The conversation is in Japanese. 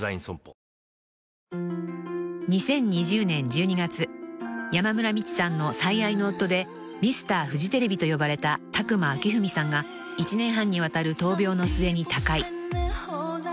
［２０２０年１２月山村美智さんの最愛の夫でミスターフジテレビと呼ばれた宅間秋史さんが１年半にわたる闘病の末に他界］